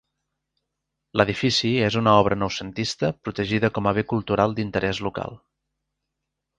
L'edifici és una obra noucentista protegida com a Bé Cultural d'Interès Local.